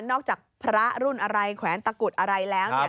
จากพระรุ่นอะไรแขวนตะกุดอะไรแล้ว